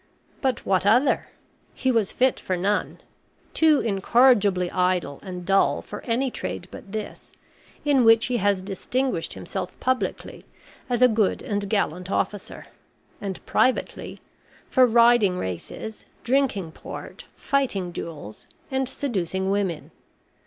But what other? He was fit for none; too incorrigibly idle and dull for any trade but this, in which he has distinguished himself publicly as a good and gallant officer, and privately for riding races, drinking port, fighting duels, and seducing women.